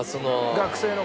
学生の頃。